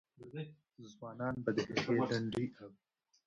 ځوانان به د هغې لنډۍ اوري.